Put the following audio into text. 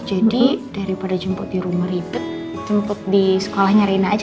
jadi daripada jemput di rumah ribet jemput di sekolahnya reina aja